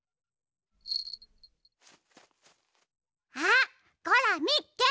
あっゴラみっけ！